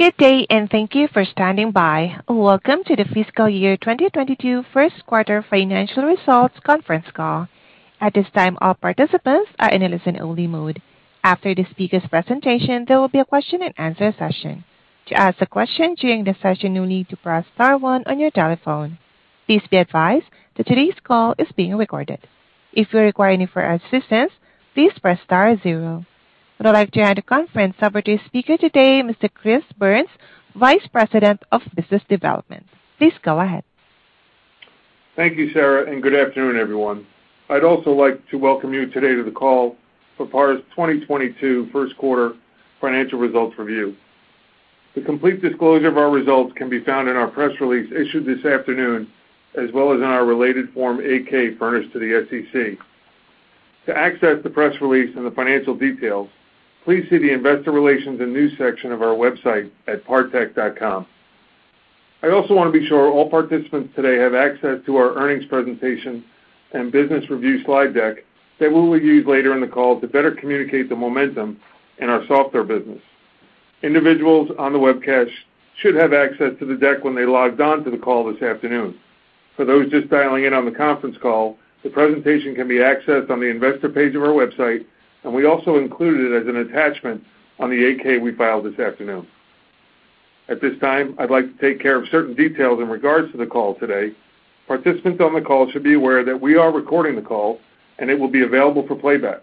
Good day, and thank you for standing by. Welcome to the fiscal year 2022 Q1 financial results conference call. At this time, all participants are in a listen only mode. After the speaker's presentation, there will be a question and answer session. To ask a question during the session, you'll need to press star one on your telephone. Please be advised that today's call is being recorded. If you require any further assistance, please press star zero. I would like to hand the conference over to speaker today, Mr. Chris Byrnes, Vice President of Business Development. Please go ahead. Thank you, Sarah, and good afternoon, everyone. I'd also like to welcome you today to the call for PAR's 2022 Q1 financial results review. The complete disclosure of our results can be found in our press release issued this afternoon, as well as in our related Form 8-K furnished to the SEC. To access the press release and the financial details, please see the investor relations and news section of our website at partech.com. I also wanna be sure all participants today have access to our earnings presentation and business review slide deck that we will use later in the call to better communicate the momentum in our software business. Individuals on the webcast should have access to the deck when they logged on to the call this afternoon. For those just dialing in on the conference call, the presentation can be accessed on the investor page of our website, and we also included it as an attachment on the 8-K we filed this afternoon. At this time, I'd like to take care of certain details in regards to the call today. Participants on the call should be aware that we are recording the call and it will be available for playback.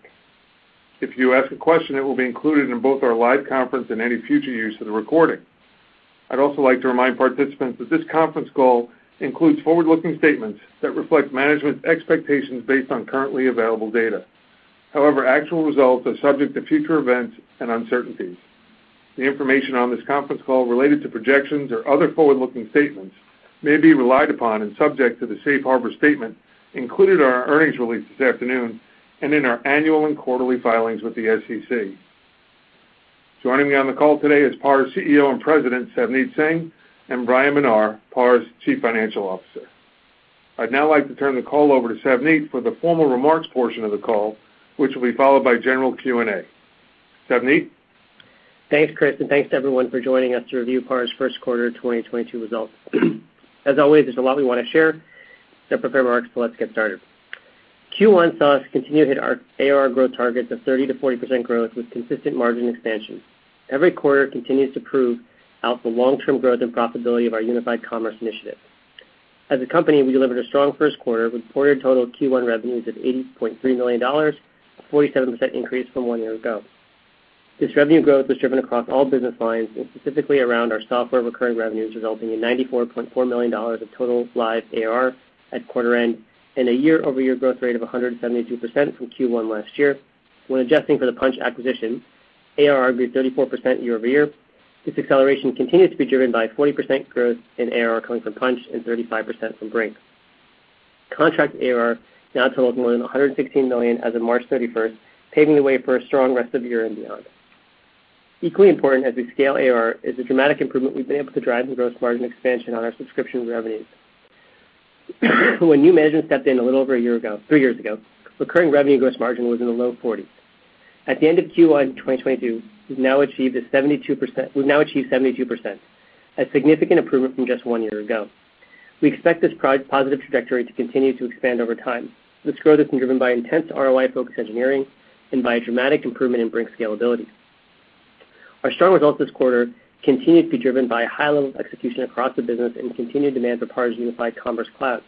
If you ask a question, it will be included in both our live conference and any future use of the recording. I'd also like to remind participants that this conference call includes forward-looking statements that reflect management expectations based on currently available data. However, actual results are subject to future events and uncertainties. The information on this conference call related to projections or other forward-looking statements may be relied upon and subject to the safe harbor statement included in our earnings release this afternoon and in our annual and quarterly filings with the SEC. Joining me on the call today is PAR's CEO and President, Savneet Singh, and Bryan Menar, PAR's Chief Financial Officer. I'd now like to turn the call over to Savneet for the formal remarks portion of the call, which will be followed by general Q&A. Savneet? Thanks, Chris, and thanks to everyone for joining us to review PAR's Q1 2022 results. As always, there's a lot we wanna share, so prepare remarks. Let's get started. Q1 saw us continue to hit our ARR growth targets of 30%-40% growth with consistent margin expansion. Every quarter continues to prove out the long-term growth and profitability of our unified commerce initiative. As a company, we delivered a strong Q1, reported total Q1 revenues of $80.3 million, a 47% increase from one year ago. This revenue growth was driven across all business lines, and specifically around our software recurring revenues, resulting in $94.4 million of total live ARR at quarter end and a year-over-year growth rate of 172% from Q1 last year. When adjusting for the Punchh acquisition, ARR grew 34% year-over-year. This acceleration continued to be driven by 40% growth in ARR coming from Punchh and 35% from Brink. Contract ARR now totals more than $116 million as of March 31, paving the way for a strong rest of the year and beyond. Equally important, as we scale ARR is a dramatic improvement we've been able to drive in gross margin expansion on our subscription revenues. When new management stepped in a little over a year ago, three years ago, recurring revenue gross margin was in the low 40s. At the end of Q1 in 2022, we've now achieved 72%, a significant improvement from just one year ago. We expect this positive trajectory to continue to expand over time. This growth has been driven by intense ROI-focused engineering and by a dramatic improvement in Brink scalability. Our strong results this quarter continued to be driven by high levels of execution across the business and continued demand for PAR's unified commerce cloud.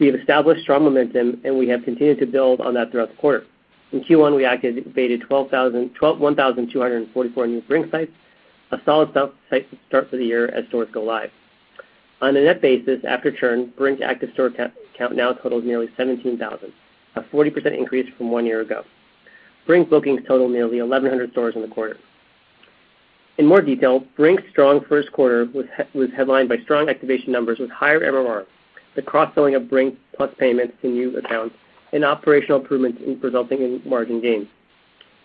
We have established strong momentum, and we have continued to build on that throughout the quarter. In Q1, we activated 1,244 new Brink sites, a solid site to start for the year as stores go live. On a net basis, after churn, Brink active store count now totals nearly 17,000, a 40% increase from one year ago. Brink bookings total nearly 1,100 stores in the quarter. In more detail, Brink's strong Q1 was headlined by strong activation numbers with higher MMR, the cross-selling of Brink POS payments to new accounts, and operational improvements resulting in margin gains.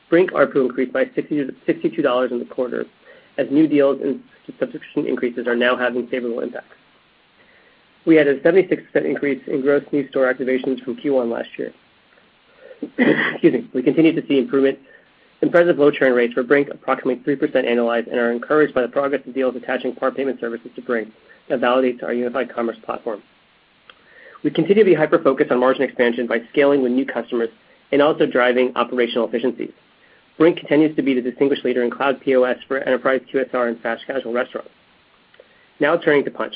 Brink ARPU increased by $62 in the quarter as new deals and subscription increases are now having favorable impacts. We had a 76% increase in gross new store activations from Q1 last year. Excuse me. We continue to see improvement, impressive low churn rates for Brink, approximately 3% annualized, and are encouraged by the progress of deals attaching PAR Payment Services to Brink. That validates our unified commerce platform. We continue to be hyper-focused on margin expansion by scaling with new customers and also driving operational efficiencies. Brink continues to be the distinguished leader in cloud POS for enterprise QSR and fast casual restaurants. Now turning to Punchh.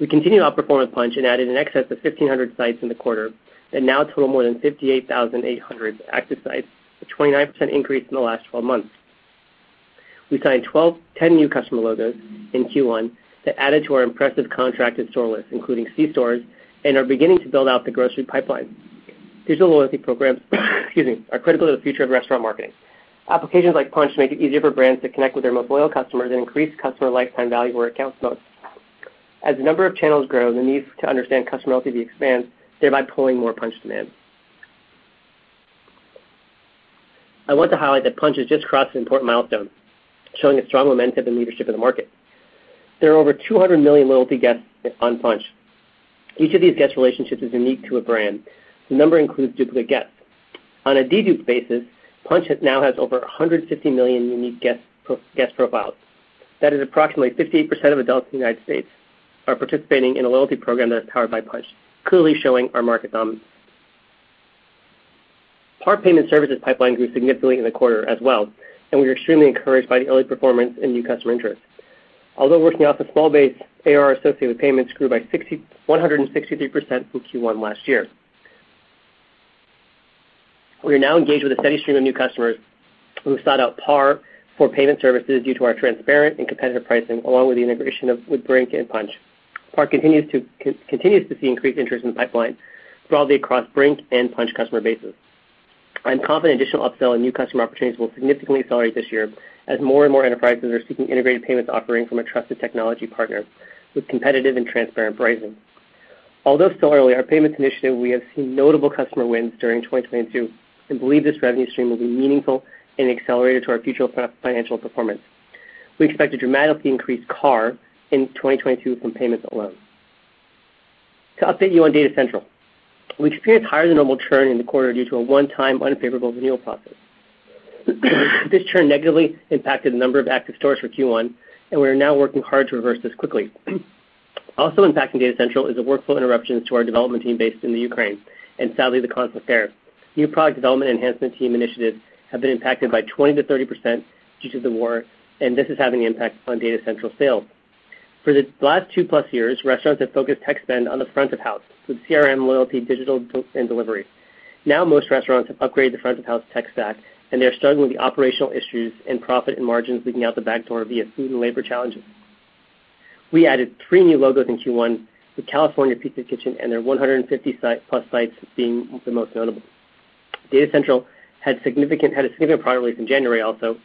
We continue to outperform with Punchh and added in excess of 1,500 sites in the quarter and now total more than 58,800 active sites, a 29% increase in the last 12 months. We signed 10 new customer logos in Q1 that added to our impressive contracted store list, including C-stores, and are beginning to build out the grocery pipeline. Digital loyalty programs, excuse me, are critical to the future of restaurant marketing. Applications like Punchh make it easier for brands to connect with their most loyal customers and increase customer lifetime value where it counts most. As the number of channels grow, the need to understand customer LTV expands, thereby pulling more Punchh demand. I want to highlight that Punchh has just crossed an important milestone, showing a strong momentum and leadership in the market. There are over 200 million loyalty guests on Punchh. Each of these guest relationships is unique to a brand. The number includes duplicate guests. On a deduped basis, Punchh has now over 150 million unique guest profiles. That is approximately 58% of adults in the United States are participating in a loyalty program that is powered by Punchh, clearly showing our market dominance. PAR Payment Services pipeline grew significantly in the quarter as well, and we are extremely encouraged by the early performance and new customer interest. Although working off a small base, AR associated with payments grew by 163% from Q1 last year. We are now engaged with a steady stream of new customers who sought out PAR for payment services due to our transparent and competitive pricing, along with the integration with Brink and Punchh. PAR continues to see increased interest in the pipeline broadly across Brink and Punchh customer bases. I'm confident additional upsell and new customer opportunities will significantly accelerate this year as more and more enterprises are seeking integrated payments offering from a trusted technology partner with competitive and transparent pricing. Although still early, our payments initiative, we have seen notable customer wins during 2022 and believe this revenue stream will be meaningful and accelerated to our future financial performance. We expect to dramatically increase ARR in 2022 from payments alone. To update you on Data Central, we experienced higher than normal churn in the quarter due to a one-time unfavorable renewal process. This churn negatively impacted the number of active stores for Q1, and we are now working hard to reverse this quickly. Also impacting Data Central is the workflow interruptions to our development team based in the Ukraine and sadly, the conflict there. New product development enhancement team initiatives have been impacted by 20%-30% due to the war, and this is having an impact on Data Central sales. For the last two+ years, restaurants have focused tech spend on the front of house with CRM, loyalty, digital delivery. Now, most restaurants have upgraded the front of house tech stack, and they are struggling with the operational issues and profit and margins leaking out the back door via food and labor challenges. We added three new logos in Q1 with California Pizza Kitchen and their 150+ sites being the most notable. Data Central had a significant product release in January, also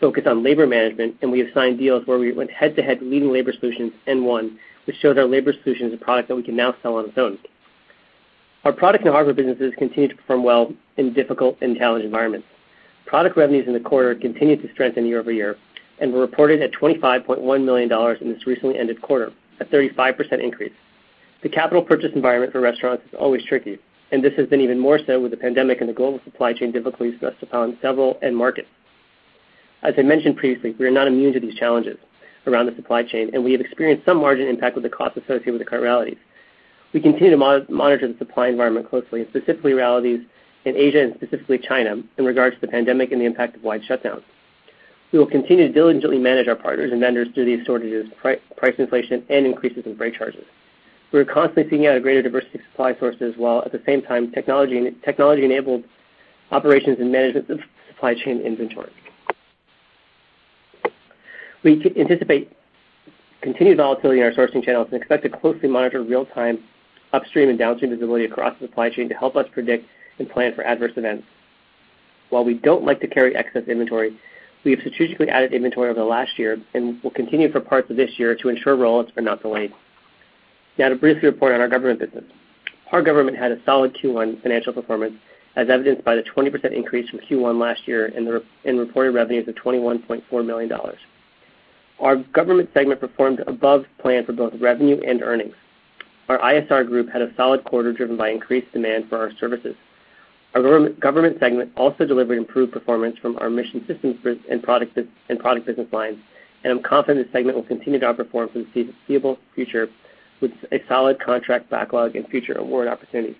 focused on labor management, and we have signed deals where we went head to head with leading labor solutions and won, which showed our labor solution is a product that we can now sell on its own. Our product and hardware businesses continue to perform well in difficult and challenged environments. Product revenues in the quarter continued to strengthen year-over-year and were reported at $25.1 million in this recently ended quarter, a 35% increase. The capital purchase environment for restaurants is always tricky, and this has been even more so with the pandemic and the global supply chain difficulties pressed upon several end markets. As I mentioned previously, we are not immune to these challenges around the supply chain, and we have experienced some margin impact with the costs associated with the current realities. We continue to monitor the supply environment closely, and specifically restrictions in Asia and specifically China in regards to the pandemic and the impact of widespread shutdowns. We will continue to diligently manage our partners and vendors through these shortages, price inflation and increases in freight charges. We are constantly seeking out a greater diversity of supply sources while at the same time technology enables operations and management of supply chain inventory. We anticipate continued volatility in our sourcing channels and expect to closely monitor real-time upstream and downstream visibility across the supply chain to help us predict and plan for adverse events. While we don't like to carry excess inventory, we have strategically added inventory over the last year and will continue for parts of this year to ensure rollouts are not delayed. Now to briefly report on our government business. Our government had a solid Q1 financial performance, as evidenced by the 20% increase from Q1 last year in reported revenues of $21.4 million. Our government segment performed above plan for both revenue and earnings. Our ISR group had a solid quarter, driven by increased demand for our services. Our government segment also delivered improved performance from our mission systems and product business lines, and I'm confident this segment will continue to outperform for the foreseeable future with a solid contract backlog and future award opportunities.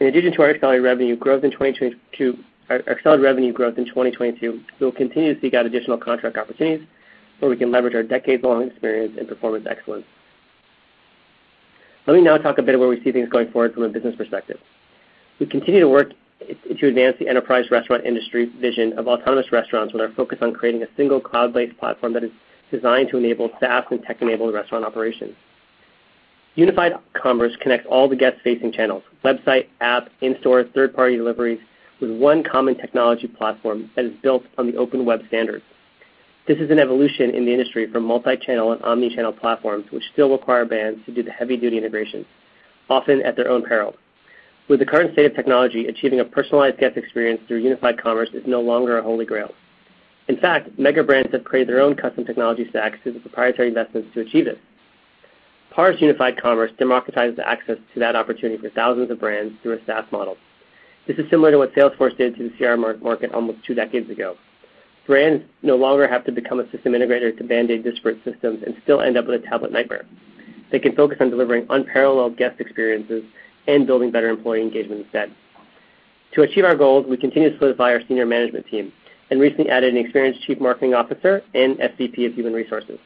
In addition to our accelerated revenue growth in 2022, we will continue to seek out additional contract opportunities where we can leverage our decades-long experience and performance excellence. Let me now talk a bit about where we see things going forward from a business perspective. We continue to work to advance the enterprise restaurant industry vision of autonomous restaurants, with our focus on creating a single cloud-based platform that is designed to enable staff and tech-enabled restaurant operations. Unified Commerce connects all the guest facing channels, website, app, in-store, third-party deliveries with one common technology platform that is built on the open web standard. This is an evolution in the industry from multi-channel and omnichannel platforms, which still require brands to do the heavy duty integrations, often at their own peril. With the current state of technology, achieving a personalized guest experience through unified commerce is no longer a holy grail. In fact, mega brands have created their own custom technology stacks through the proprietary investments to achieve it. PAR's unified commerce democratizes access to that opportunity for thousands of brands through a SaaS model. This is similar to what Salesforce did to the CRM market almost two decades ago. Brands no longer have to become a system integrator to band-aid disparate systems and still end up with a tablet nightmare. They can focus on delivering unparalleled guest experiences and building better employee engagement instead. To achieve our goals, we continue to solidify our senior management team and recently added an experienced chief marketing officer and SVP of human resources.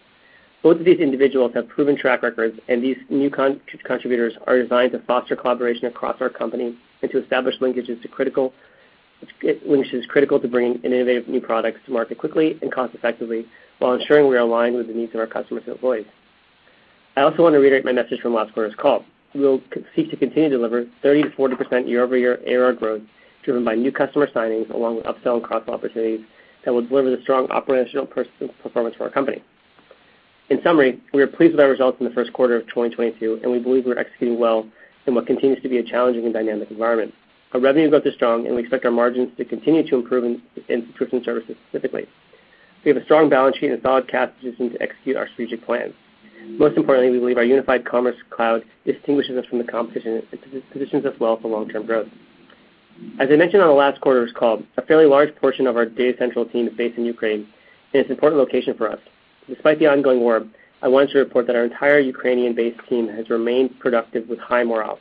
Both of these individuals have proven track records, and these new contributors are designed to foster collaboration across our company and to establish linkages to critical, which is critical to bringing innovative new products to market quickly and cost effectively while ensuring we are aligned with the needs of our customers and employees. I also want to reiterate my message from last quarter's call. We will seek to continue to deliver 30%-40% year-over-year ARR growth driven by new customer signings along with upsell and cross-sell opportunities that will deliver the strong operational performance for our company. In summary, we are pleased with our results in the Q1 of 2022, and we believe we're executing well in what continues to be a challenging and dynamic environment. Our revenue growth is strong, and we expect our margins to continue to improve in subscription services specifically. We have a strong balance sheet and solid cash position to execute our strategic plan. Most importantly, we believe our unified commerce cloud distinguishes us from the competition and positions us well for long-term growth. As I mentioned on the last quarter's call, a fairly large portion of our Data Central team is based in Ukraine, and it's an important location for us. Despite the ongoing war, I wanted to report that our entire Ukrainian-based team has remained productive with high morale.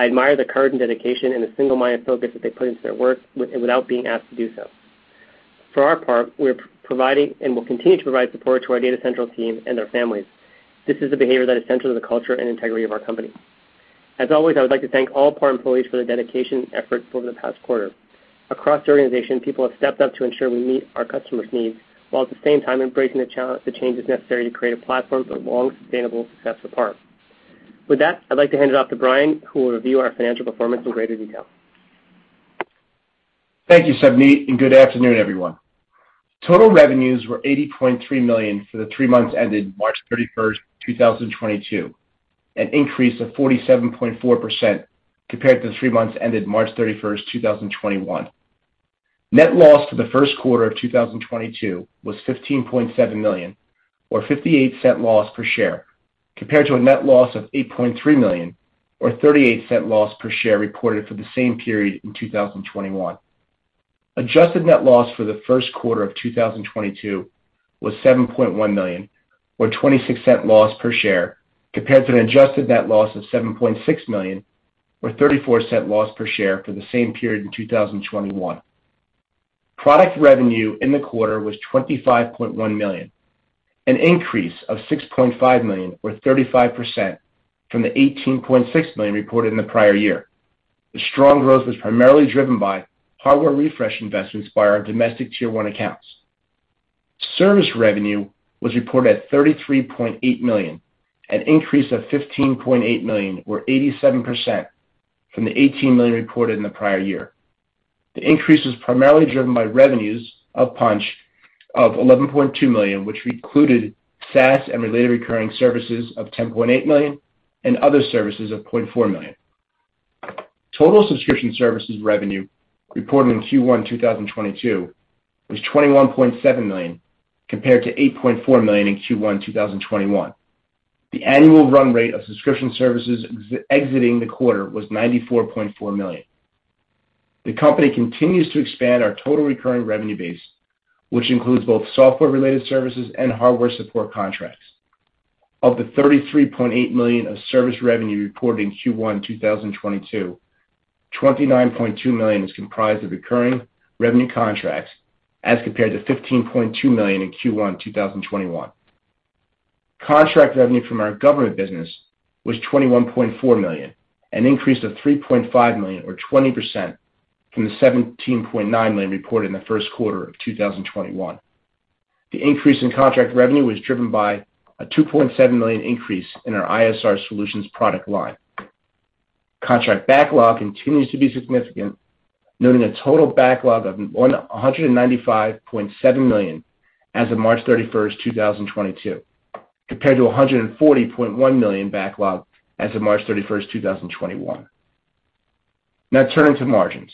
I admire the courage and dedication and the single-minded focus that they put into their work without being asked to do so. For our part, we're providing and will continue to provide support to our Data Central team and their families. This is a behavior that is central to the culture and integrity of our company. As always, I would like to thank all PAR employees for their dedication and effort over the past quarter. Across the organization, people have stepped up to ensure we meet our customers' needs, while at the same time embracing the changes necessary to create a platform for long sustainable success for PAR. With that, I'd like to hand it off to Bryan, who will review our financial performance in greater detail. Thank you, Savneet, and good afternoon, everyone. Total revenues were $80.3 million for the three months ended March 31, 2022, an increase of 47.4% compared to the three months ended March 31, 2021. Net loss for the Q1 of 2022 was $15.7 million or $0.58 loss per share, compared to a net loss of $8.3 million or $0.38 loss per share reported for the same period in 2021. Adjusted net loss for the Q1 of 2022 was $7.1 million or $0.26 loss per share, compared to an adjusted net loss of $7.6 million or $0.34 loss per share for the same period in 2021. Product revenue in the quarter was $25.1 million, an increase of $6.5 million or 35% from the $18.6 million reported in the prior year. The strong growth was primarily driven by hardware refresh investments by our domestic tier one accounts. Service revenue was reported at $33.8 million, an increase of $15.8 million or 87% from the $18 million reported in the prior year. The increase was primarily driven by revenues of Punchh of $11.2 million, which included SaaS and related recurring services of $10.8 million and other services of $0.4 million. Total subscription services revenue reported in Q1 2022 was $21.7 million, compared to $8.4 million in Q1 2021. The annual run rate of subscription services exiting the quarter was $94.4 million. The company continues to expand our total recurring revenue base, which includes both software-related services and hardware support contracts. Of the $33.8 million of service revenue reported in Q1 2022, $29.2 million is comprised of recurring revenue contracts as compared to $15.2 million in Q1 2021. Contract revenue from our government business was $21.4 million, an increase of $3.5 million or 20% from the $17.9 million reported in the Q1 of 2021. The increase in contract revenue was driven by a $2.7 million increase in our ISR Solutions product line. Contract backlog continues to be significant, noting a total backlog of $195.7 million as of March 31, 2022, compared to $140.1 million backlog as of March 31, 2021. Now turning to margins.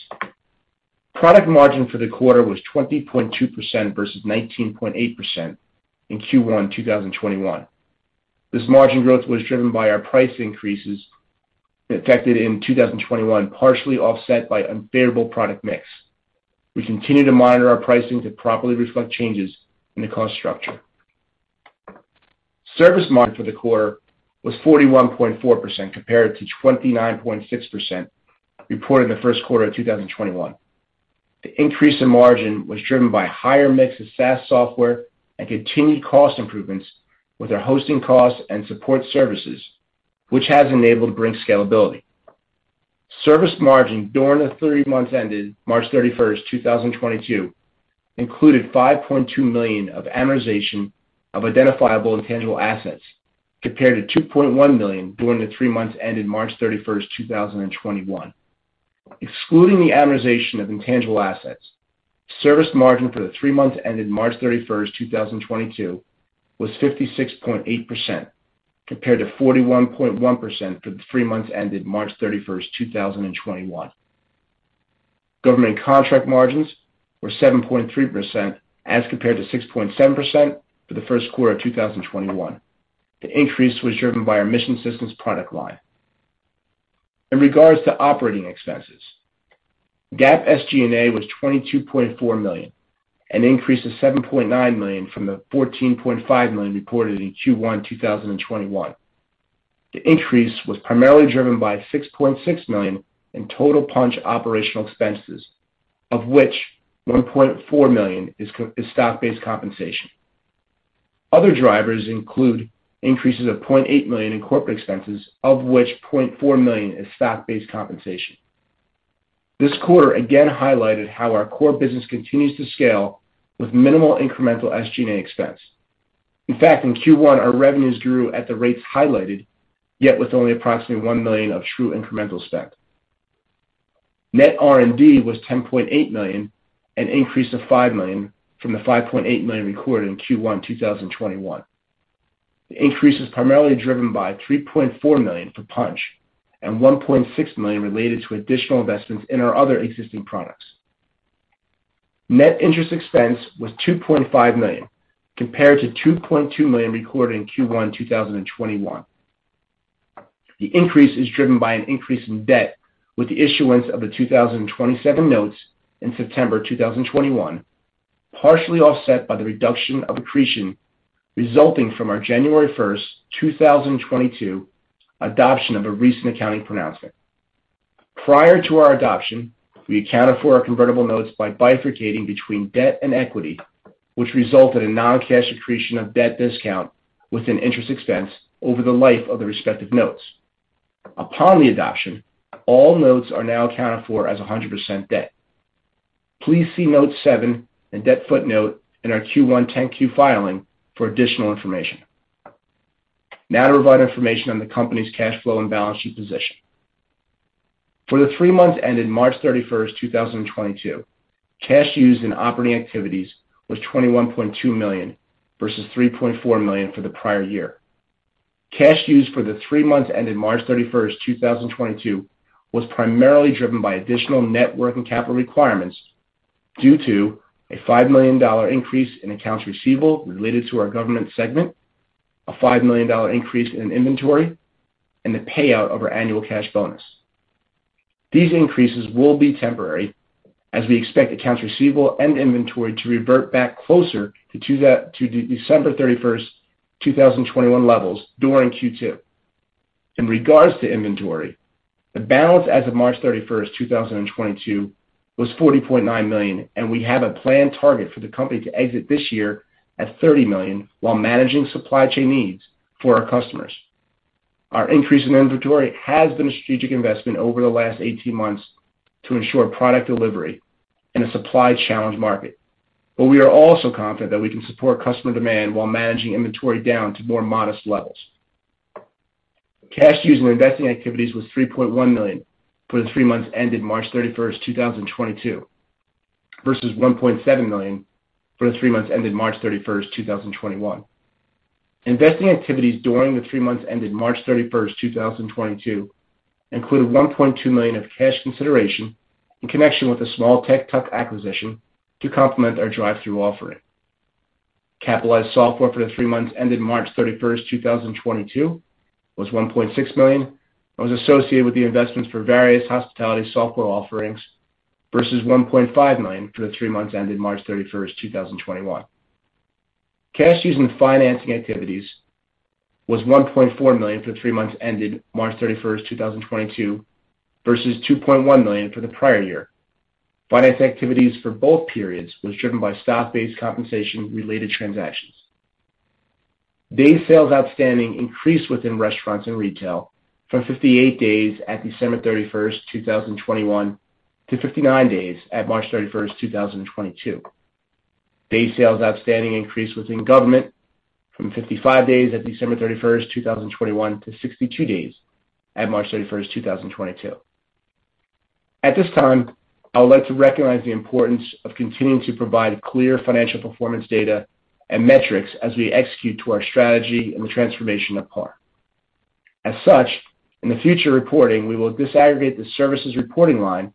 Product margin for the quarter was 20.2% versus 19.8% in Q1 2021. This margin growth was driven by our price increases effected in 2021, partially offset by unfavorable product mix. We continue to monitor our pricing to properly reflect changes in the cost structure. Service margin for the quarter was 41.4% compared to 29.6% reported in theQ1 of 2021. The increase in margin was driven by higher mix of SaaS software and continued cost improvements with our hosting costs and support services, which has enabled to bring scalability. Service margin during the three months ended March 31, 2022 included $5.2 million of amortization of identifiable intangible assets compared to $2.1 million during the three months ended March 31, 2021. Excluding the amortization of intangible assets, service margin for the three months ended March 31, 2022 was 56.8% compared to 41.1% for the three months ended March 31, 2021. Government contract margins were 7.3% as compared to 6.7% for the Q1 of 2021. The increase was driven by our Mission Systems product line. In regards to operating expenses, GAAP SG&A was $22.4 million, an increase of $7.9 million from the $14.5 million reported in Q1 2021. The increase was primarily driven by $6.6 million in total Punchh operational expenses, of which $1.4 million is stock-based compensation. Other drivers include increases of $0.8 million in corporate expenses, of which $0.4 million is stock-based compensation. This quarter again highlighted how our core business continues to scale with minimal incremental SG&A expense. In fact, in Q1, our revenues grew at the rates highlighted, yet with only approximately $1 million of true incremental spend. Net R&D was $10.8 million, an increase of $5 million from the $5.8 million recorded in Q1 2021. The increase is primarily driven by $3.4 million for Punchh and $1.6 million related to additional investments in our other existing products. Net interest expense was $2.5 million compared to $2.2 million recorded in Q1 2021. The increase is driven by an increase in debt with the issuance of the 2027 notes in September 2021, partially offset by the reduction of accretion resulting from our January 1, 2022 adoption of a recent accounting pronouncement. Prior to our adoption, we accounted for our convertible notes by bifurcating between debt and equity, which resulted in non-cash accretion of debt discount with an interest expense over the life of the respective notes. Upon the adoption, all notes are now accounted for as 100% debt. Please see note seven and debt footnote in our Q1 10-Q filing for additional information. Now to provide information on the company's cash flow and balance sheet position. For the three months ended March 31, 2022, cash used in operating activities was $21.2 million versus $3.4 million for the prior year. Cash used for the three months ended March 31, 2022 was primarily driven by additional net working capital requirements due to a $5 million increase in accounts receivable related to our government segment, a $5 million increase in inventory, and the payout of our annual cash bonus. These increases will be temporary as we expect accounts receivable and inventory to revert back closer to December 31, 2021 levels during Q2. In regards to inventory, the balance as of March 31, 2022 was $40.9 million, and we have a planned target for the company to exit this year at $30 million while managing supply chain needs for our customers. Our increase in inventory has been a strategic investment over the last 18 months to ensure product delivery in a supply challenged market. We are also confident that we can support customer demand while managing inventory down to more modest levels. Cash used in investing activities was $3.1 million for the three months ended March 31, 2022, versus $1.7 million for the three months ended March 31, 2021. Investing activities during the three months ended March 31, 2022 included $1.2 million of cash consideration in connection with a small tech tuck-in acquisition to complement our drive-thru offering. Capitalized software for the three months ended March 31, 2022 was $1.6 million and was associated with the investments for various hospitality software offerings versus $1.5 million for the three months ended March 31, 2021. Cash used in financing activities was $1.4 million for the three months ended March 31, 2022 versus $2.1 million for the prior year. Finance activities for both periods was driven by stock-based compensation related transactions. Days sales outstanding increased within restaurants and retail from 58 days at December 31, 2021 to 59 days at March 31, 2022. Days sales outstanding increased within government from 55 days at December 31, 2021 to 62 days at March 31, 2022. At this time, I would like to recognize the importance of continuing to provide clear financial performance data and metrics as we execute to our strategy and the transformation of PAR. As such, in the future reporting, we will disaggregate the services reporting line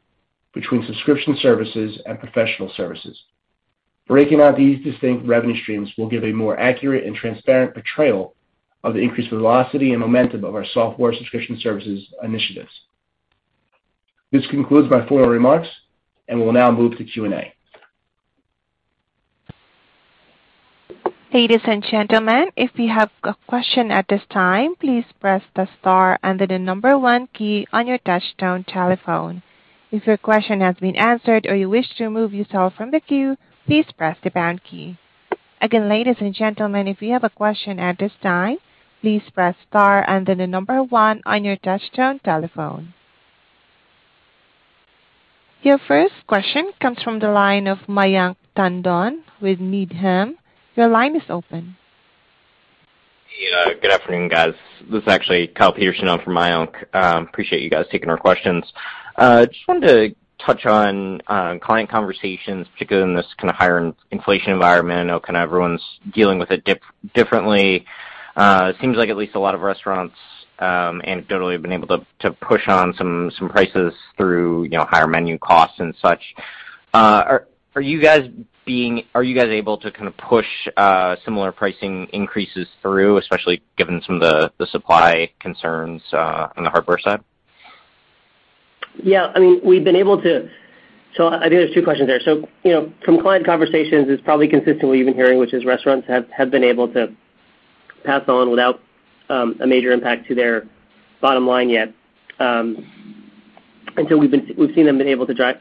between subscription services and professional services. Breaking out these distinct revenue streams will give a more accurate and transparent portrayal of the increased velocity and momentum of our software subscription services initiatives. This concludes my formal remarks, and we'll now move to Q&A. Ladies and gentlemen, if you have a question at this time, please press the star and then the number one key on your touch-tone telephone. If your question has been answered or you wish to remove yourself from the queue, please press the pound key. Again, ladies and gentlemen, if you have a question at this time, please press star and then the number one on your touch-tone telephone. Your first question comes from the line of Mayank Tandon with Needham. Your line is open. Yeah, good afternoon, guys. This is actually Kyle Peterson in for Mayank. Appreciate you guys taking our questions. Just wanted to touch on client conversations, particularly in this kind of higher inflation environment. I know kind of everyone's dealing with it differently. It seems like at least a lot of restaurants anecdotally have been able to push on some prices through, you know, higher menu costs and such. Are you guys able to kind of push similar pricing increases through, especially given some of the supply concerns on the hardware side? Yeah, I mean, we've been able to. I think there's two questions there. You know, from client conversations, it's probably consistent with what you've been hearing, which is restaurants have been able to pass on without a major impact to their bottom line yet. We've seen them been able to do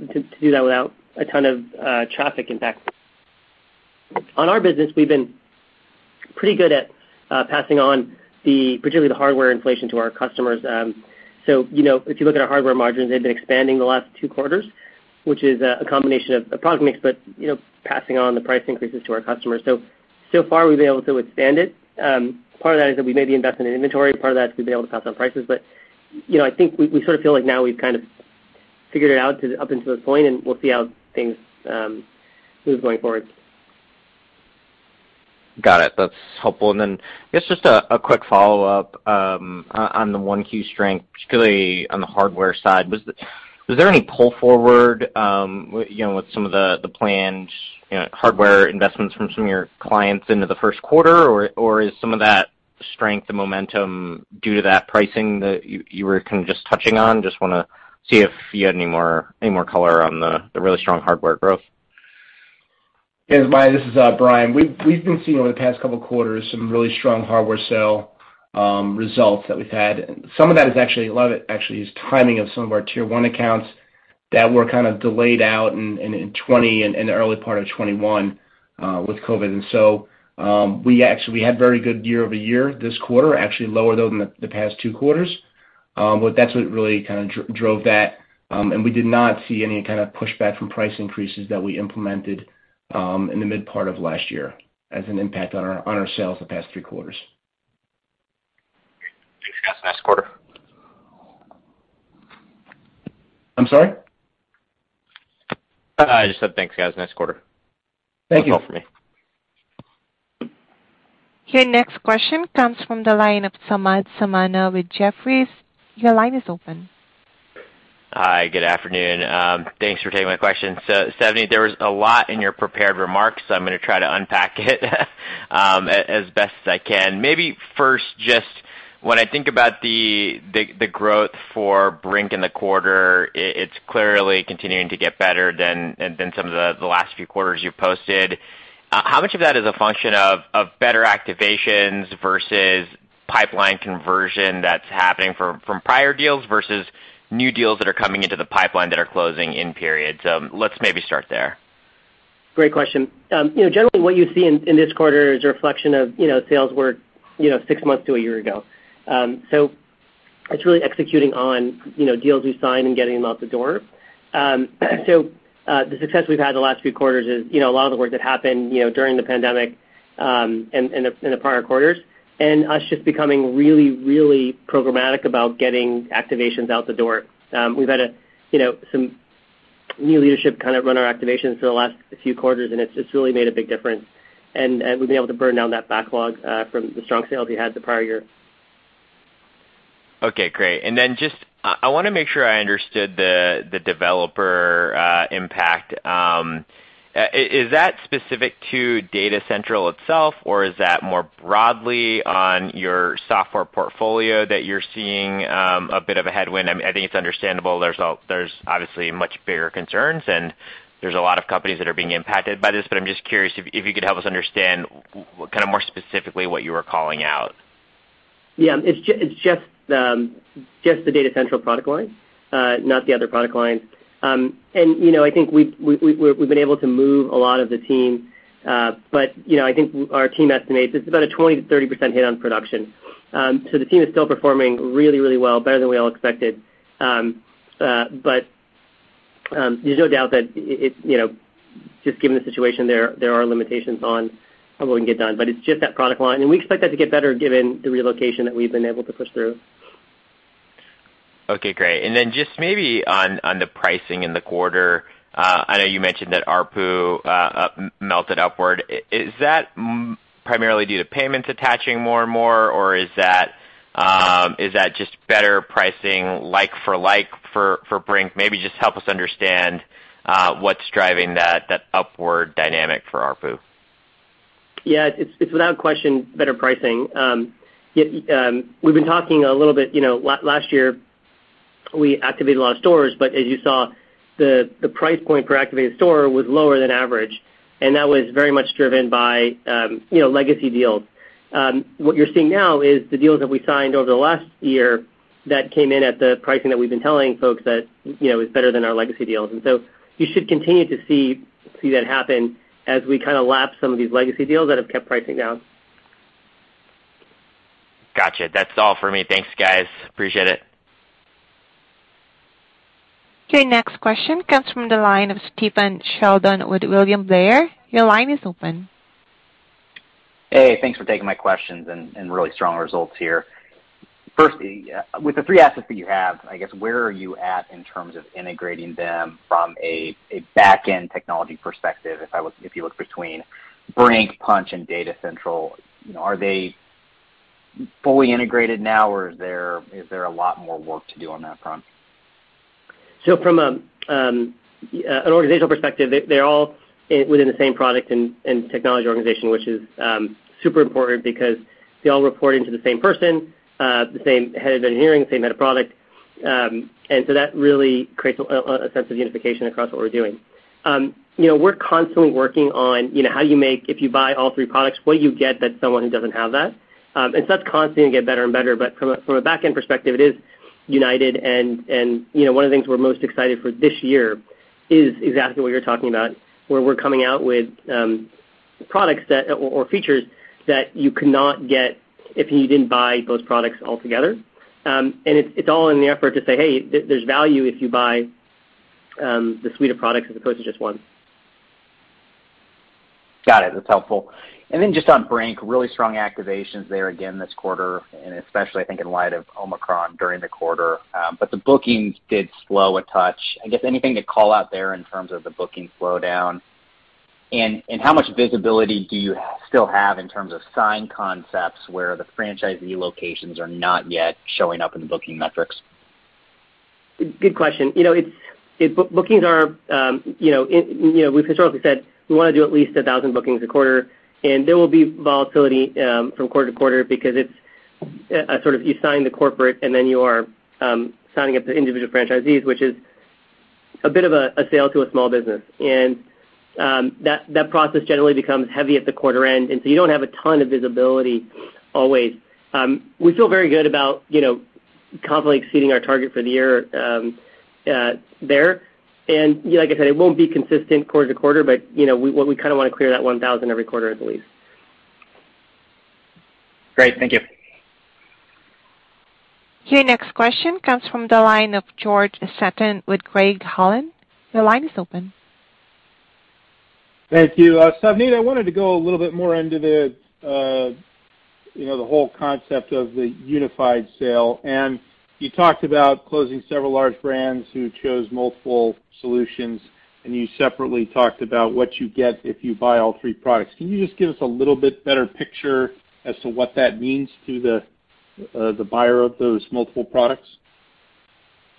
that without a ton of traffic impact. On our business, we've been pretty good at passing on, particularly the hardware inflation to our customers. You know, if you look at our hardware margins, they've been expanding the last two quarters, which is a combination of a product mix, but you know, passing on the price increases to our customers. So far we've been able to withstand it. Part of that is that we maybe invest in an inventory. Part of that is we've been able to pass on prices. You know, I think we sort of feel like now we've kind of Figured it out up until this point, and we'll see how things move going forward. Got it. That's helpful. I guess just a quick follow-up on the Q1 strength, particularly on the hardware side. Was there any pull forward, you know, with some of the planned, you know, hardware investments from some of your clients into the Q1 or is some of that strength and momentum due to that pricing that you were kind of just touching on? Just wanna see if you had any more color on the really strong hardware growth. Yes, Kyle, this is Bryan. We've been seeing over the past couple quarters some really strong hardware sales results that we've had. Some of that is actually a lot of it actually is timing of some of our tier one accounts that were kind of delayed out in 2020 and the early part of 2021 with COVID. We actually had very good year-over-year this quarter, actually lower though than the past two quarters. That's what really kind of drove that. We did not see any kind of pushback from price increases that we implemented in the mid part of last year as an impact on our sales the past three quarters. Thanks, guys. Nice quarter. I'm sorry? I just said thanks, guys. Nice quarter. Thank you. That's all for me. Your next question comes from the line of Samad Samana with Jefferies. Your line is open. Hi, good afternoon. Thanks for taking my question. Savneet, there was a lot in your prepared remarks, so I'm gonna try to unpack it as best as I can. Maybe first, just when I think about the growth for Brink in the quarter, it's clearly continuing to get better than some of the last few quarters you've posted. How much of that is a function of better activations versus pipeline conversion that's happening from prior deals versus new deals that are coming into the pipeline that are closing in period? Let's maybe start there. Great question. You know, generally what you see in this quarter is a reflection of, you know, sales were, you know, six months to a year ago. It's really executing on, you know, deals we signed and getting them out the door. The success we've had the last few quarters is, you know, a lot of the work that happened, you know, during the pandemic in the prior quarters, and us just becoming really programmatic about getting activations out the door. We've had some new leadership kind of run our activations for the last few quarters, and it's really made a big difference. We've been able to burn down that backlog from the strong sales we had the prior year. Okay, great. Just I wanna make sure I understood the developer impact. Is that specific to Data Central itself, or is that more broadly on your software portfolio that you're seeing a bit of a headwind? I think it's understandable there's obviously much bigger concerns and there's a lot of companies that are being impacted by this, but I'm just curious if you could help us understand what kind of more specifically what you were calling out. It's just the Data Central product line, not the other product lines. You know, I think we've been able to move a lot of the team. You know, I think our team estimates it's about a 20%-30% hit on production. The team is still performing really, really well, better than we all expected. There's no doubt that it, you know, just given the situation there are limitations on what we can get done. It's just that product line, and we expect that to get better given the relocation that we've been able to push through. Okay, great. Just maybe on the pricing in the quarter. I know you mentioned that ARPU melted upward. Is that primarily due to payments attaching more and more, or is that just better pricing like for like for Brink? Maybe just help us understand what's driving that upward dynamic for ARPU. It's without question better pricing. We've been talking a little bit, you know, last year we activated a lot of stores, but as you saw, the price point per activated store was lower than average, and that was very much driven by, you know, legacy deals. What you're seeing now is the deals that we signed over the last year that came in at the pricing that we've been telling folks that, you know, is better than our legacy deals. You should continue to see that happen as we kind of lap some of these legacy deals that have kept pricing down. Gotcha. That's all for me. Thanks, guys. Appreciate it. Okay. Next question comes from the line of Stephen Sheldon with William Blair. Your line is open. Hey, thanks for taking my questions and really strong results here. First, with the three assets that you have, I guess where are you at in terms of integrating them from a backend technology perspective if you look between Brink, Punchh and Data Central? You know, are they fully integrated now, or is there a lot more work to do on that front? From an organizational perspective, they're all within the same product and technology organization, which is super important because they all report into the same person, the same head of engineering, same head of product. That really creates a sense of unification across what we're doing. You know, we're constantly working on, you know, how you make, if you buy all three products, what you get that someone who doesn't have that. That's constantly gonna get better and better. From a backend perspective, it is united and, you know, one of the things we're most excited for this year is exactly what you're talking about, where we're coming out with products that, or features that you could not get if you didn't buy those products altogether. It's all in the effort to say, "Hey, there's value if you buy the suite of products as opposed to just one. Got it. That's helpful. Then just on Brink, really strong activations there again this quarter, and especially, I think, in light of Omicron during the quarter. The bookings did slow a touch. I guess anything to call out there in terms of the booking slowdown. How much visibility do you still have in terms of signed concepts where the franchisee locations are not yet showing up in the booking metrics? Good question. You know, bookings are, you know, you know, we've historically said we wanna do at least 1,000 bookings a quarter, and there will be volatility from quarter to quarter because it's a sort of you sign the corporate, and then you are signing up the individual franchisees, which is a bit of a sale to a small business. That process generally becomes heavy at the quarter end, and so you don't have a ton of visibility always. We feel very good about, you know, confidently exceeding our target for the year there. You know, like I said, it won't be consistent quarter to quarter, but, you know, what we kinda wanna clear that 1,000 every quarter at least. Great. Thank you. Your next question comes from the line of George Sutton with Craig-Hallum. Your line is open. Thank you. Savneet, I wanted to go a little bit more into the whole concept of the unified commerce. You talked about closing several large brands who chose multiple solutions, and you separately talked about what you get if you buy all three products. Can you just give us a little bit better picture as to what that means to the buyer of those multiple products?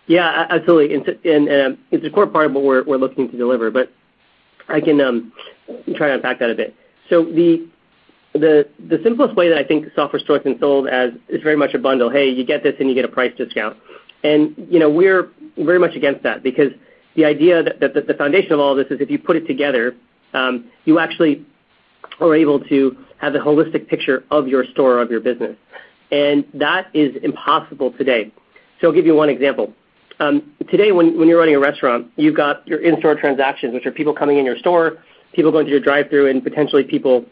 Yeah. Absolutely. It's a core part of what we're looking to deliver, but I can try to unpack that a bit. The simplest way that I think Software Store has been sold as is very much a bundle. Hey, you get this, and you get a price discount. You know, we're very much against that because the idea that the foundation of all of this is if you put it together, you actually are able to have the holistic picture of your store, of your business. That is impossible today. I'll give you one example. Today when you're running a restaurant, you've got your in-store transactions, which are people coming in your store, people going through your drive-thru, and potentially people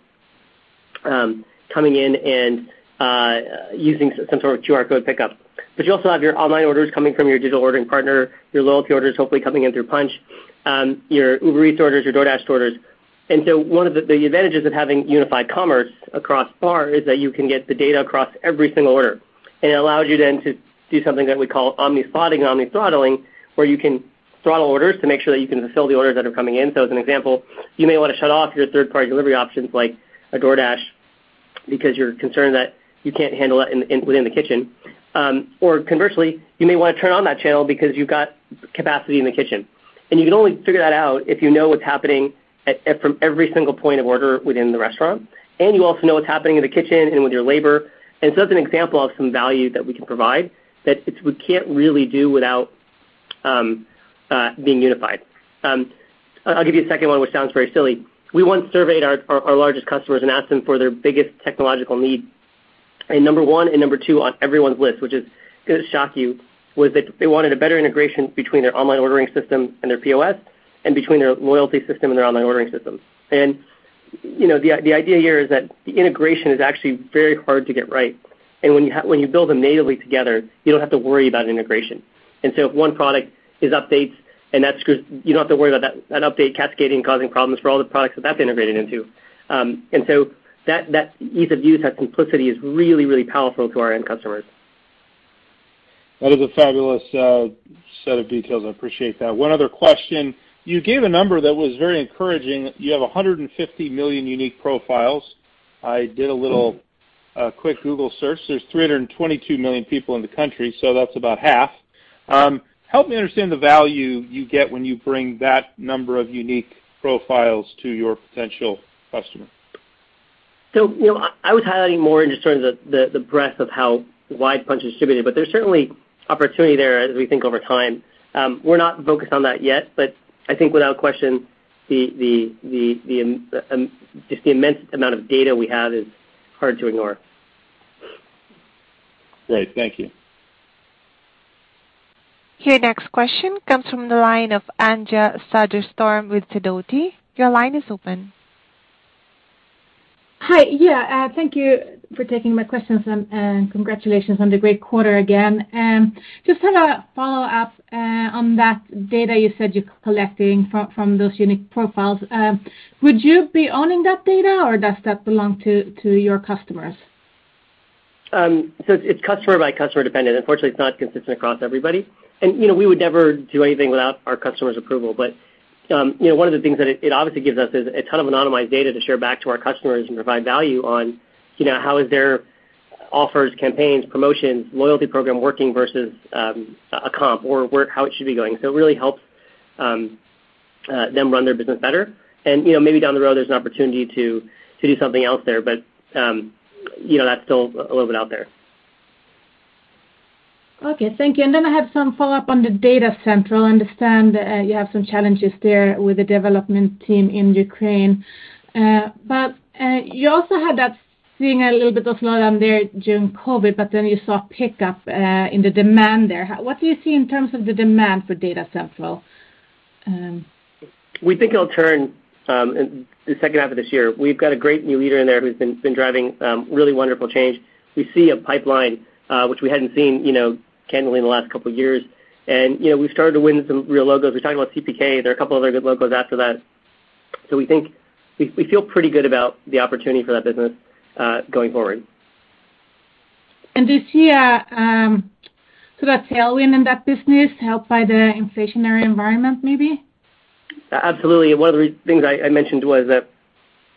coming in and using some sort of QR code pickup. You also have your online orders coming from your digital ordering partner, your loyalty orders hopefully coming in through Punchh, your Uber Eats orders, your DoorDash orders. One of the advantages of having unified commerce across PAR is that you can get the data across every single order. It allows you then to do something that we call omni-spotting and omni-throttling, where you can throttle orders to make sure that you can fulfill the orders that are coming in. As an example, you may wanna shut off your third-party delivery options like DoorDash because you're concerned that you can't handle it within the kitchen. Or conversely, you may wanna turn on that channel because you've got capacity in the kitchen. You can only figure that out if you know what's happening from every single point of order within the restaurant, and you also know what's happening in the kitchen and with your labor. That's an example of some value that we can provide that we can't really do without being unified. I'll give you a second one, which sounds very silly. We once surveyed our largest customers and asked them for their biggest technological need. Number one and number two on everyone's list, which is gonna shock you, was that they wanted a better integration between their online ordering system and their POS and between their loyalty system and their online ordering system. You know, the idea here is that integration is actually very hard to get right. When you build them natively together, you don't have to worry about integration. If one product is updated and that's good, you don't have to worry about that update cascading causing problems for all the products that's integrated into. That ease of use, that simplicity is really, really powerful to our end customers. That is a fabulous set of details. I appreciate that. One other question. You gave a number that was very encouraging. You have 150 million unique profiles. I did a little quick Google search. There's 322 million people in the country, so that's about half. Help me understand the value you get when you bring that number of unique profiles to your potential customer. You know, I was highlighting more in just terms of the breadth of how wide Punchh is distributed, but there's certainly opportunity there as we think over time. We're not focused on that yet, but I think without question, the immense amount of data we have is hard to ignore. Great. Thank you. Your next question comes from the line of Anja Soderstrom with Sidoti. Your line is open. Hi. Yeah. Thank you for taking my questions, and congratulations on the great quarter again. Just have a follow-up on that data you said you're collecting from those unique profiles. Would you be owning that data, or does that belong to your customers? It's customer by customer dependent. Unfortunately, it's not consistent across everybody. You know, we would never do anything without our customers' approval. You know, one of the things that it obviously gives us is a ton of anonymized data to share back to our customers and provide value on, you know, how is their offers, campaigns, promotions, loyalty program working versus a comp or how it should be going. It really helps them run their business better. You know, maybe down the road, there's an opportunity to do something else there. You know, that's still a little bit out there. Okay. Thank you. I have some follow-up on the Data Central. I understand you have some challenges there with the development team in Ukraine. But you also had that seeing a little bit of slowdown there during COVID, but then you saw a pickup in the demand there. What do you see in terms of the demand for Data Central? We think it'll turn in the second half of this year. We've got a great new leader in there who's been driving really wonderful change. We see a pipeline which we hadn't seen, you know, candidly in the last couple years. You know, we've started to win some real logos. We're talking about CPK. There are a couple other good logos after that. We think we feel pretty good about the opportunity for that business going forward. Do you see a sort of tailwind in that business helped by the inflationary environment maybe? Absolutely. One of the things I mentioned was that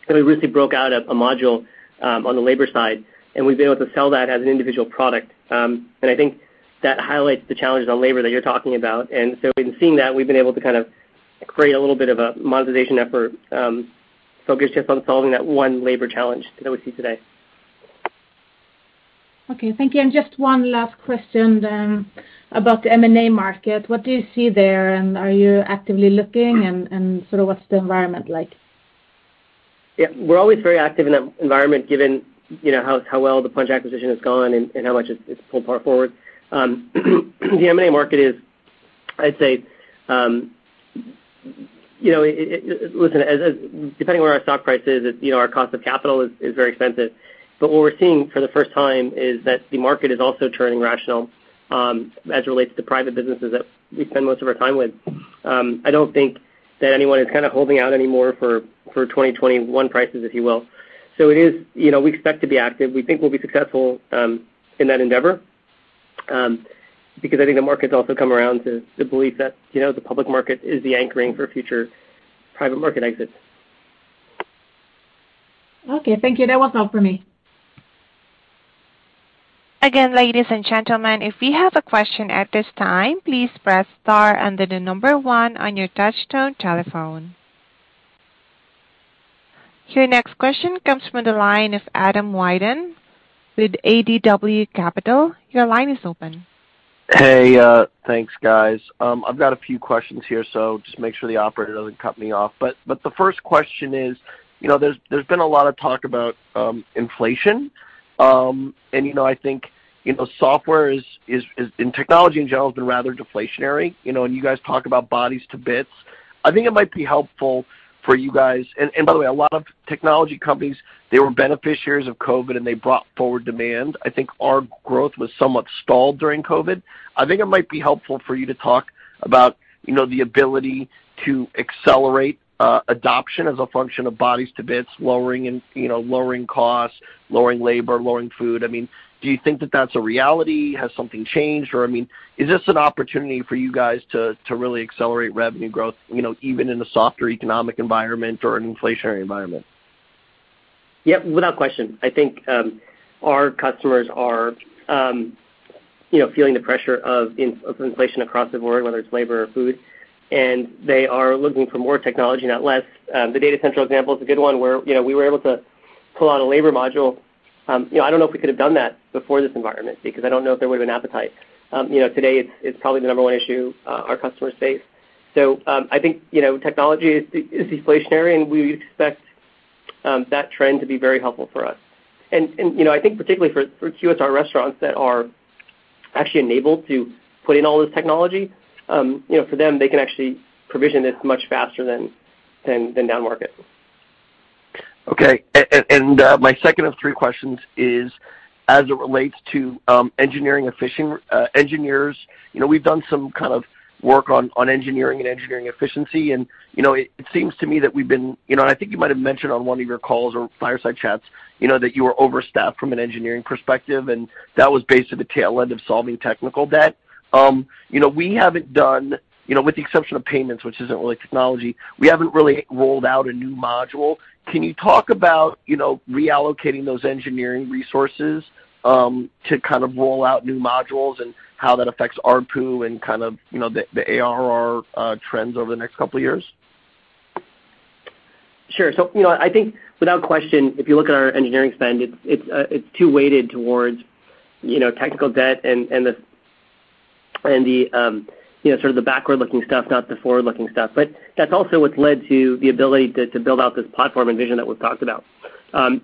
we recently broke out a module on the labor side, and we've been able to sell that as an individual product. I think that highlights the challenges on labor that you're talking about. In seeing that, we've been able to kind of create a little bit of a monetization effort focused just on solving that one labor challenge that we see today. Okay. Thank you. Just one last question then about the M&A market. What do you see there, and are you actively looking, and sort of what's the environment like? Yeah. We're always very active in that environment given, you know, how well the Punchh acquisition has gone and how much it's pulled Par forward. The M&A market is. I'd say, listen, depending on where our stock price is, it's our cost of capital is very expensive. What we're seeing for the first time is that the market is also turning rational, as it relates to private businesses that we spend most of our time with. I don't think that anyone is kind of holding out anymore for 2021 prices, if you will. It is. You know, we expect to be active. We think we'll be successful in that endeavor because I think the market's also come around to believe that, you know, the public market is the anchoring for future private market exits. Okay. Thank you. That was all for me. Again, ladies and gentlemen, if you have a question at this time, please press star and then the number one on your touchtone telephone. Your next question comes from the line of Adam Wyden with ADW Capital. Your line is open. Hey, thanks, guys. I've got a few questions here, so just make sure the operator doesn't cut me off. The first question is, you know, there's been a lot of talk about inflation. You know, I think, you know, software is and technology in general has been rather deflationary, you know. You guys talk about bodies to bits. I think it might be helpful for you guys. By the way, a lot of technology companies, they were beneficiaries of COVID, and they brought forward demand. I think our growth was somewhat stalled during COVID. I think it might be helpful for you to talk about, you know, the ability to accelerate adoption as a function of bodies to bits, lowering costs, lowering labor, lowering food. I mean, do you think that that's a reality? Has something changed? Or, I mean, is this an opportunity for you guys to really accelerate revenue growth, you know, even in a softer economic environment or an inflationary environment? Yeah. Without question. I think our customers are, you know, feeling the pressure of inflation across the board, whether it's labor or food, and they are looking for more technology, not less. The Data Central example is a good one where, you know, we were able to pull out a labor module. I don't know if we could have done that before this environment because I don't know if there would have been appetite. Today it's probably the number one issue our customers face. I think, you know, technology is deflationary, and we expect that trend to be very helpful for us. You know, I think particularly for QSR restaurants that are actually enabled to put in all this technology, you know, for them, they can actually provision this much faster than downmarket. Okay. My second of three questions is as it relates to engineering efficiency, engineers. You know, we've done some kind of work on engineering and engineering efficiency. I think you might have mentioned on one of your calls or fireside chats, you know, that you were overstaffed from an engineering perspective, and that was basically the tail end of solving technical debt. With the exception of payments, which isn't really technology, we haven't really rolled out a new module. Can you talk about reallocating those engineering resources to kind of roll out new modules and how that affects ARPU and kind of the ARR trends over the next couple of years? Sure. You know, I think without question, if you look at our engineering spend, it's too weighted towards, you know, technical debt and the, you know, sort of the backward-looking stuff, not the forward-looking stuff. That's also what's led to the ability to build out this platform and vision that we've talked about. You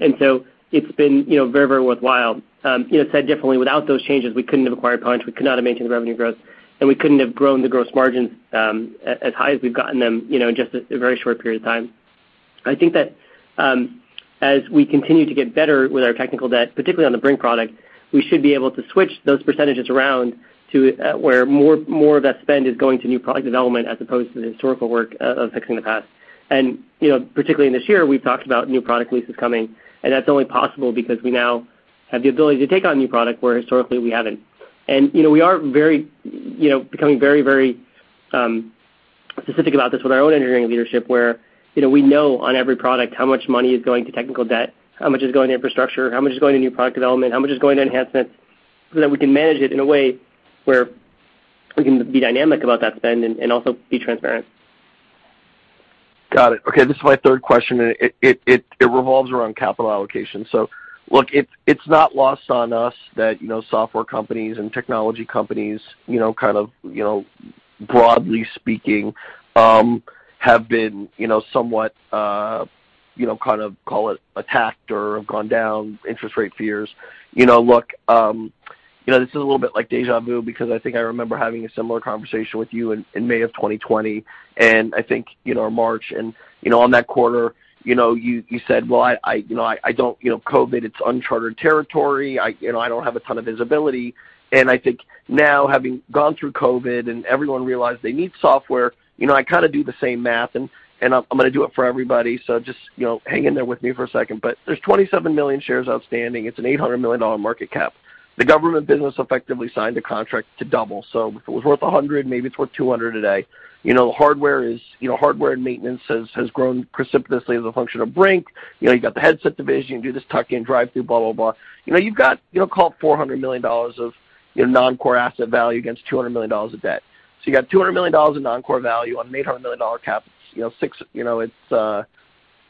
know, said differently, without those changes, we couldn't have acquired Punchh, we could not have maintained the revenue growth, and we couldn't have grown the gross margins, as high as we've gotten them, you know, in just a very short period of time. I think that as we continue to get better with our technical debt, particularly on the Brink product, we should be able to switch those percentages around to where more of that spend is going to new product development as opposed to the historical work of fixing the past. You know, particularly in this year, we've talked about new product releases coming, and that's only possible because we now have the ability to take on new product where historically we haven't. You know, we are very, you know, becoming very specific about this with our own engineering leadership, where, you know, we know on every product how much money is going to technical debt, how much is going to infrastructure, how much is going to new product development, how much is going to enhancements, so that we can manage it in a way where we can be dynamic about that spend and also be transparent. Got it. Okay, this is my third question, and it revolves around capital allocation. Look, it's not lost on us that, you know, software companies and technology companies, you know, kind of, you know, broadly speaking, have been, you know, somewhat, you know, kind of, call it, attacked or have gone down on interest rate fears. You know, look, you know, this is a little bit like déjà vu because I think I remember having a similar conversation with you in May of 2020, and I think, you know, or March. You know, on that quarter, you know, you said, "Well, I don't. You know, COVID, it's uncharted territory. I, you know, I don't have a ton of visibility. I think now, having gone through COVID, and everyone realized they need software, you know, I kinda do the same math, and I'm gonna do it for everybody, so just, you know, hang in there with me for a second. There's 27 million shares outstanding. It's an $800 million market cap. The government business effectively signed a contract to double. If it was worth $100 million, maybe it's worth $200 million today. You know, hardware is. You know, hardware and maintenance has grown precipitously as a function of Brink. You know, you've got the headset division, you can do this tuck-in drive through, blah, blah. You know, you've got, you know, call it $400 million of your non-core asset value against $200 million of debt. You've got $200 million in non-core value on $800 million dollar cap. You know, it's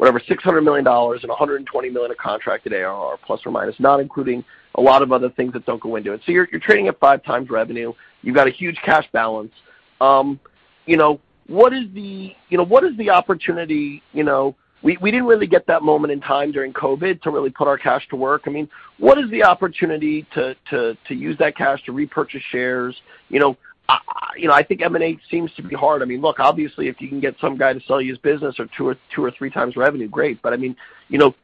whatever, $600 million and $120 million of contracted ARR, plus or minus, not including a lot of other things that don't go into it. You're trading at 5x revenue. You've got a huge cash balance. You know, what is the opportunity, you know. We didn't really get that moment in time during COVID to really put our cash to work. I mean, what is the opportunity to use that cash to repurchase shares? You know, I think M&A seems to be hard. I mean, look, obviously, if you can get some guy to sell you his business for 2x or 3x revenue, great. I mean, you know,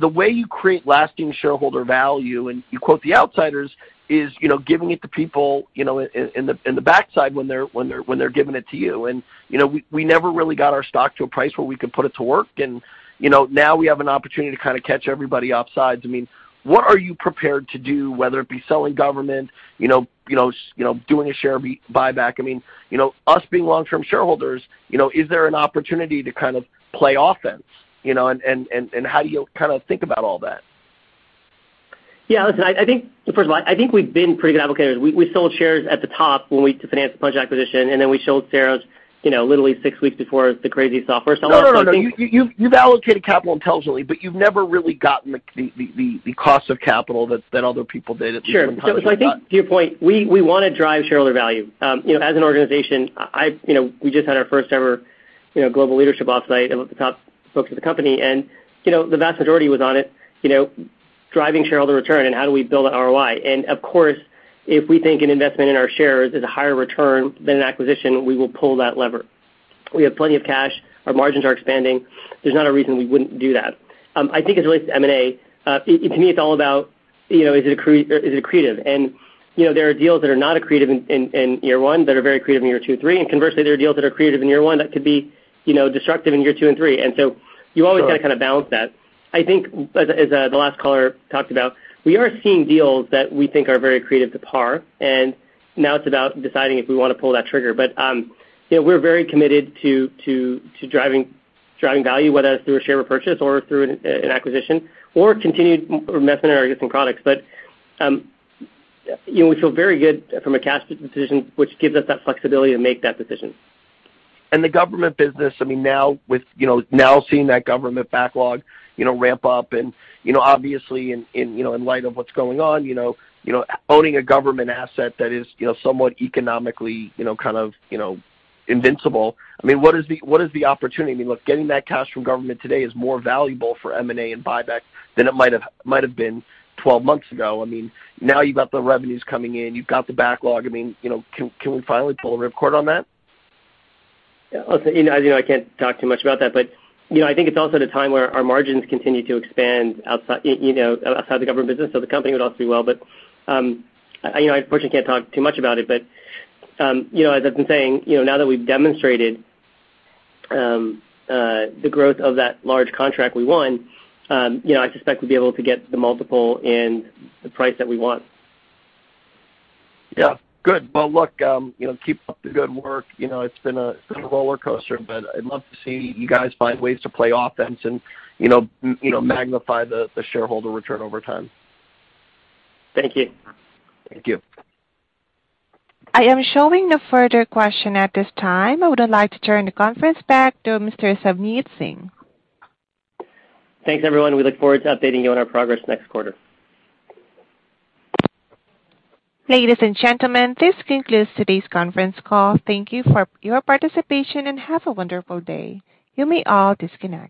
the way you create lasting shareholder value, and you quote The Outsiders, is, you know, giving it to people, you know, in the backside when they're giving it to you. You know, we never really got our stock to a price where we could put it to work. You know, now we have an opportunity to kinda catch everybody off sides. I mean, what are you prepared to do, whether it be selling government, you know, doing a share buyback? I mean, you know, us being long-term shareholders, you know, is there an opportunity to kind of play offense, you know? And how do you kind of think about all that? Yeah, listen, I think, first of all, I think we've been pretty good allocators. We sold shares at the top when we to finance the Punchh acquisition, and then we sold shares, you know, literally six weeks before the crazy software sell-off. No. You've allocated capital intelligently, but you've never really gotten the cost of capital that other people did at some point in time. Sure. I think to your point, we wanna drive shareholder value. You know, as an organization, we just had our first ever, you know, global leadership offsite. I looked at the top folks at the company, and, you know, the vast majority was on it, you know, driving shareholder return and how do we build that ROI. Of course, if we think an investment in our shares is a higher return than an acquisition, we will pull that lever. We have plenty of cash. Our margins are expanding. There's not a reason we wouldn't do that. I think as it relates to M&A, to me, it's all about, you know, is it accretive? You know, there are deals that are not accretive in year one, that are very accretive in year two, three, and conversely, there are deals that are accretive in year one that could be, you know, disruptive in year two and three. You always gotta kinda balance that. I think the last caller talked about, we are seeing deals that we think are very accretive to PAR, and now it's about deciding if we wanna pull that trigger. You know, we're very committed to driving value, whether that's through a share repurchase or through an acquisition or continued investment in our existing products. You know, we feel very good from a cash position, which gives us that flexibility to make that decision. The government business, I mean, now with, you know, now seeing that government backlog, you know, ramp up and, you know, obviously in, you know, in light of what's going on, you know, you know, owning a government asset that is, you know, somewhat economically, you know, kind of, you know, invincible. I mean, what is the opportunity? I mean, look, getting that cash from government today is more valuable for M&A and buyback than it might have been 12 months ago. I mean, now you've got the revenues coming in, you've got the backlog. I mean, you know, can we finally pull the rip cord on that? Yeah. Listen, you know, as you know, I can't talk too much about that. You know, I think it's also at a time where our margins continue to expand outside, you know, outside the government business, so the company would also do well. You know, I unfortunately can't talk too much about it. You know, as I've been saying, you know, now that we've demonstrated the growth of that large contract we won, you know, I suspect we'll be able to get the multiple and the price that we want. Yeah. Good. Well, look, you know, keep up the good work. You know, it's been a rollercoaster, but I'd love to see you guys find ways to play offense and, you know, magnify the shareholder return over time. Thank you. Thank you. I am showing no further question at this time. I would like to turn the conference back to Mr. Savneet Singh. Thanks, everyone. We look forward to updating you on our progress next quarter. Ladies and gentlemen, this concludes today's conference call. Thank you for your participation, and have a wonderful day. You may all disconnect.